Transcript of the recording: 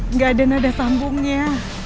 nggak ada nada sambungnya